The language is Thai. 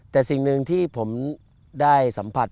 แต่สิ่งหนึ่งที่ผมได้สัมผัส